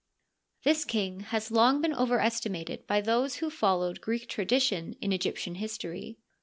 This king has long been overestimated by those who followed Greek tradition in Egyptian history.